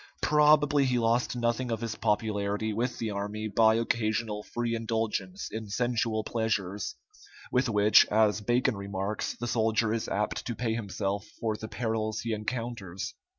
Probably he lost nothing of his popularity with the army by occasional free indulgence in sensual pleasures, with which, as Bacon remarks, the soldier is apt to pay himself for the perils he encounters.